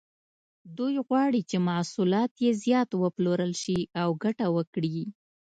دوی غواړي چې محصولات یې زیات وپلورل شي او ګټه وکړي.